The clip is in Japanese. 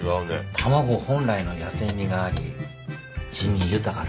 卵本来の野性味があり滋味豊かだ。